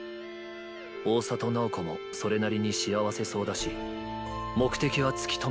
大郷楠宝子もそれなりに幸せそうだし目的はつきとめた。